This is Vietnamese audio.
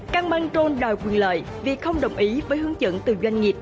căn băng trôn đòi quyền lợi vì không đồng ý với hướng dẫn từ doanh nghiệp